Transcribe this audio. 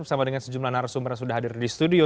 bersama dengan sejumlah narasumber yang sudah hadir di studio